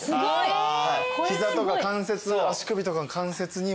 膝とか足首とかの関節にも。